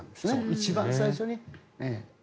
一番最初に。